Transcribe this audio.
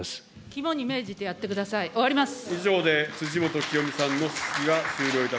肝に銘じてやってください。